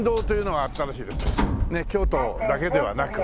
ねっ京都だけではなく。